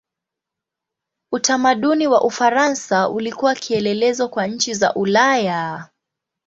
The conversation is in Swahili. Utamaduni wa Ufaransa ulikuwa kielelezo kwa nchi za Ulaya.